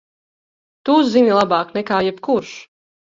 Tu zini labāk nekā jebkurš!